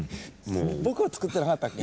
僕は作ってなかったっけ？